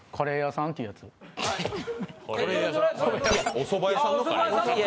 ・おそば屋さんのカレー。